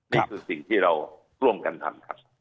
นี่คือสิ่งที่เราร่วมกันทำครับ